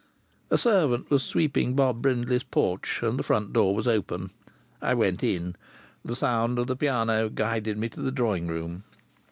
A servant was sweeping Bob Brindley's porch and the front door was open. I went in. The sound of the piano guided me to the drawing room.